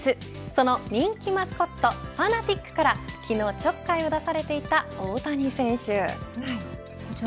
その人気マスコットファナティックから昨日ちょっかいを出されていた大谷選手。